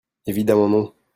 Évidemment non